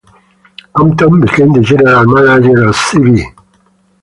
Compton became the general manager of C. B.